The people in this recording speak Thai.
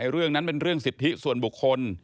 เรื่องนั้นเป็นเรื่องสิทธิส่วนบุคคล